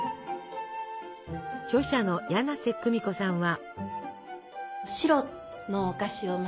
著者の柳瀬久美子さんは。